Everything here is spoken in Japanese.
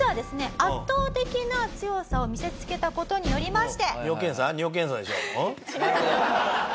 圧倒的な強さを見せつけた事によりまして。